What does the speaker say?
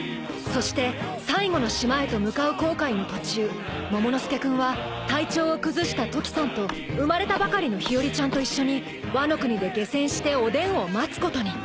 ［そして最後の島へと向かう航海の途中モモの助君は体調を崩したトキさんと生まれたばかりの日和ちゃんと一緒にワノ国で下船しておでんを待つことに］